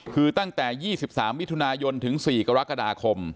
คือตั้งแต่๒๓มิถุนายนถึง๔กรกฎาคม